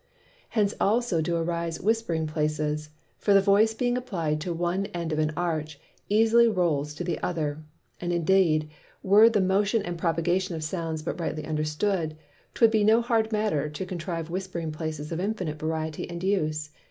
Hence also do arise Whispering Places. For the Voice being apply'd to one end of an Arch, easily rowls to the other. And indeed were the Motion and Propagation of Sounds but rightly understood, 'twould be no hard matter to contrive Whispering Places of infinite variety and use.